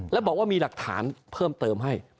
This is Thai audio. แล้วบอกว่ามีหลักฐานเพิ่มเติมให้